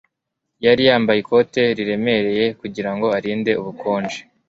yari yambaye ikote riremereye kugirango arinde ubukonje